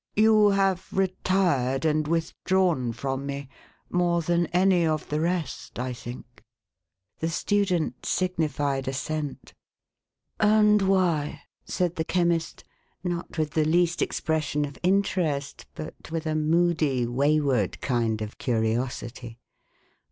" You have retired and withdrawn from me. more than any of the rest, I think ?" The student signified assent. ," And why ';" said the Chemist ; not with the least ex pression of interest, but with a moodv, wayward kind of curiosity.